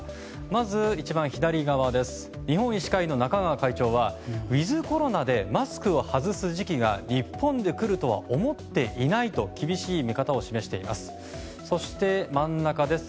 まず一番左側日本医師会の中川会長はウィズコロナでマスクを外す時期が日本で来るとは思っていないと厳しい見方を示しています。